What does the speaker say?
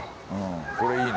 これいいね